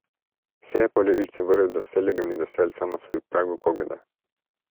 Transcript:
See pole üldse võrraldav sellega, mida sealsamas võib praegu kogeda.